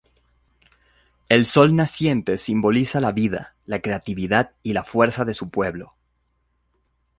El sol naciente simboliza la vida, la creatividad y la fuerza de su pueblo.